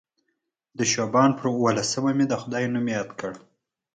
د شعبان پر اووه لسمه مې د خدای نوم یاد کړ.